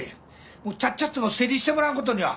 もうちゃっちゃと整理してもらわんことには。